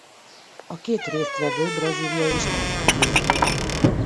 A két résztvevő Brazília és Ausztrália volt.